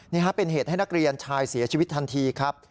เป็นเหตุให้นักเรียนชายเสียชีวิตทันทีครับ